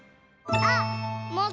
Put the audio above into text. あっ！